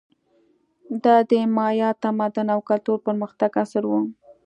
دا د مایا تمدن او کلتور پرمختګ عصر و.